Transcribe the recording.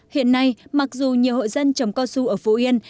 hiện nay mặc dù nhiều hội dân trồng cao su ở phú yên